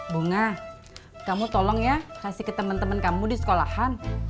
bunga kamu tolong ya kasih ke teman teman kamu di sekolahan